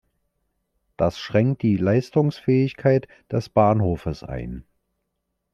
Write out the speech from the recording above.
Das schränkt die Leistungsfähigkeit des Bahnhofes ein.